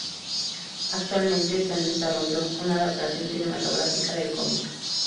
Actualmente está en desarrollo una adaptación cinematográfica del cómic.